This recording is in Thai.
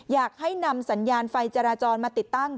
อยากให้นำสัญญาณไฟจราจรมาติดตั้ง